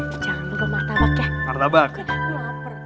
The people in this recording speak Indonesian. jangan lupa martabak ya